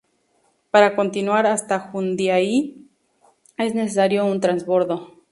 Para continuar hasta Jundiaí, es necesario un trasbordo.